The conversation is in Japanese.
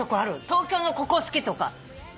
東京のここ好きとか。